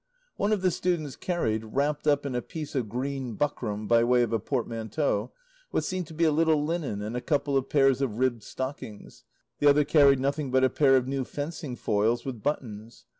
One of the students carried, wrapped up in a piece of green buckram by way of a portmanteau, what seemed to be a little linen and a couple of pairs of ribbed stockings; the other carried nothing but a pair of new fencing foils with buttons.